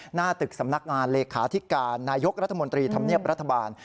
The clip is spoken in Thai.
หน้าตึกสำนักงานเลขาธิการนายกรัฐมนตรีธรรมเนียบรัฐบาล